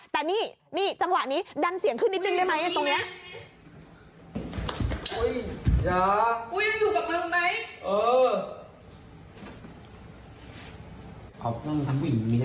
แต่นี่จังหวะนี้ดันเสียงขึ้นนิดนึงได้ไหมตรงนี้